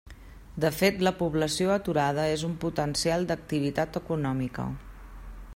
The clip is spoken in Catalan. De fet la població aturada és un potencial d'activitat econòmica.